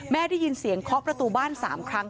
แม่ได้ยินเสียงคลอกประตูบ้าน๓ครั้ง